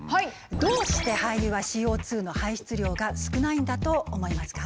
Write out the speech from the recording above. どうして廃油はＣＯの排出量が少ないんだと思いますか？